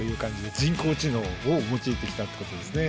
人工知能を用いてきたってことですね。